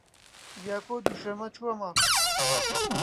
دیاکۆ دووشەممە چووەوە ماڵ.